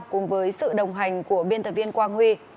cùng với sự đồng hành của biên tập viên quang huy